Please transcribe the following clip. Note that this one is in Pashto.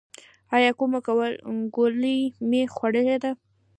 ایا کومه ګولۍ مو خوړلې ده؟